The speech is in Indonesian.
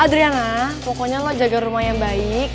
adriana pokoknya lo jaga rumah yang baik